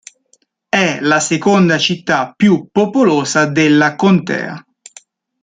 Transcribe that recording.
È la seconda città più popolosa della contea.